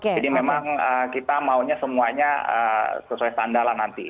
jadi memang kita maunya semuanya sesuai standar nanti